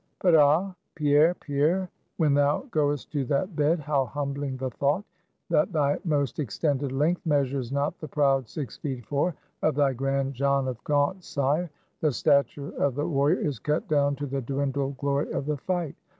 But ah, Pierre, Pierre, when thou goest to that bed, how humbling the thought, that thy most extended length measures not the proud six feet four of thy grand John of Gaunt sire! The stature of the warrior is cut down to the dwindled glory of the fight.